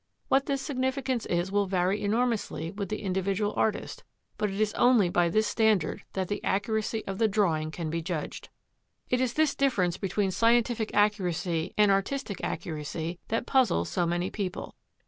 What this significance is will vary enormously with the individual artist, but it is only by this standard that the accuracy of the drawing can be judged. It is this difference between scientific accuracy and artistic accuracy that puzzles so many people.